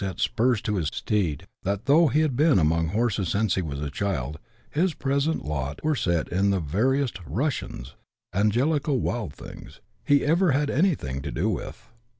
t sj)»irs to his stetid, that, though he had be(Mi among horses since he was a child, his {)resent lot were a set of the veriest " Russians " (Anglico, wild things) he ever had anything to do with.